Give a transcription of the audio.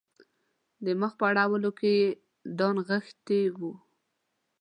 د مخ په اړولو کې یې دا نغښتي وو.